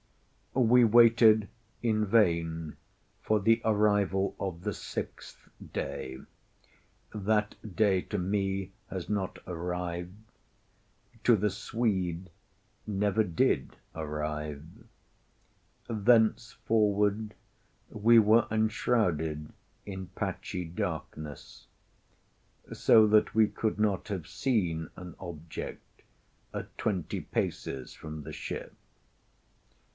We waited in vain for the arrival of the sixth day—that day to me has not yet arrived—to the Swede, never did arrive. Thenceforward we were enshrouded in patchy darkness, so that we could not have seen an object at twenty paces from the ship.